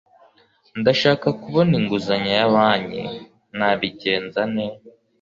Ndashaka kubona inguzanyo ya banki nabigenze nte